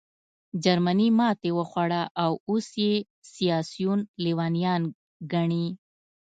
جرمني ماتې وخوړه او اوس یې سیاسیون لېونیان ګڼې